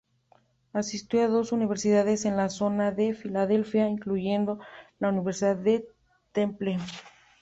Asistió a dos universidades en la zona de Filadelfia, incluyendo la Universidad del Temple.